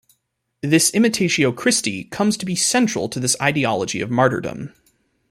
This imitatio Christi comes to be central to this ideology of martyrdom.